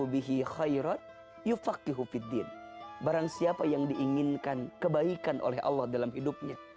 barang siapa yang diinginkan kebaikan oleh allah dalam hidupnya